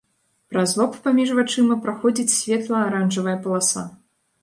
Праз лоб паміж вачыма праходзіць светла-аранжавая паласа.